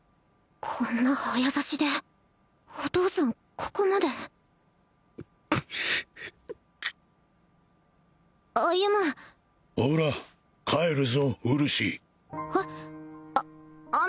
こんな早指しでお父さんここまで歩ほら帰るぞうるしえっあ